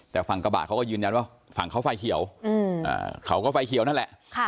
แต่ฝั่งกระบะเขาก็ยืนยันว่าฝั่งเขาไฟเขียวเขาก็ไฟเขียวนั่นแหละ